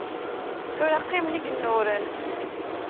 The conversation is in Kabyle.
Tura qqimen igennuren.